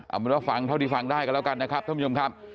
เอาเป็นว่าฟังเท่าที่ฟังได้กันแล้วกันนะครับท่านผู้ชมครับ